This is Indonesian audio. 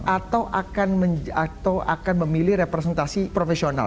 atau akan memilih representasi profesional